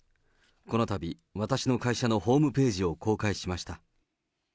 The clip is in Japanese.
このたび、私の会社のホームページを公開しました。